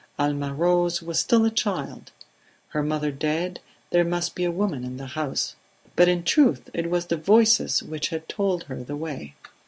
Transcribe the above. Alma Rose was still a child; her mother dead, there must be a woman in the house. But in truth it was the voices which had told her the way.